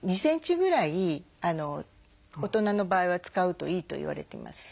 ２ｃｍぐらい大人の場合は使うといいといわれてます。